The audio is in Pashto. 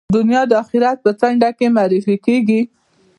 دنیا د آخرت په څنډه کې معرفي کېږي.